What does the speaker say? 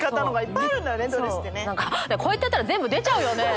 こうやったら全部出ちゃうよね。